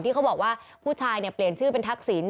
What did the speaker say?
ที่เขาบอกว่าผู้ชายเปลี่ยนชื่อเป็นทักษิณ